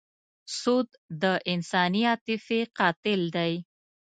سود د انساني عاطفې قاتل دی.